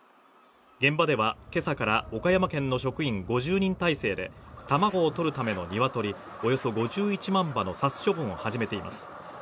現場ではけさから岡山県の職員５０人態勢で卵を採るための鶏およそ５１万羽の殺処分を始めています